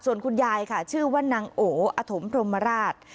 ส่วนคุณยายค่ะชื่อว่านางโออธมพรมราช